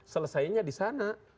selesainya di sana